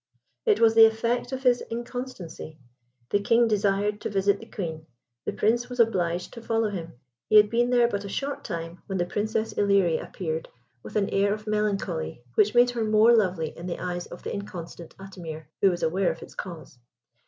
It was the effect of his inconstancy! The King desired to visit the Queen; the Prince was obliged to follow him. He had been there but a short time when the Princess Ilerie appeared with an air of melancholy which made her more lovely in the eyes of the inconstant Atimir, who was aware of its cause.